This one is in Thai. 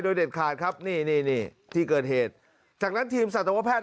โดยเด็ดขาดครับนี่นี่ที่เกิดเหตุจากนั้นทีมสัตวแพทย